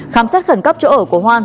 khám sát khẩn cấp chỗ ở của hoan